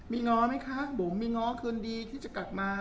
มีง้อไหมคะบุ๋มมีง้อคืนดีที่จะกลับมา